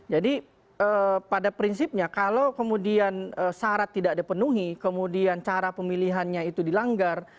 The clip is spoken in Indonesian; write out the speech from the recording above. jadi pada prinsipnya kalau kemudian syarat tidak dipenuhi kemudian cara pemilihannya itu dilanggar